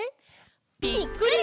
ぴっくり！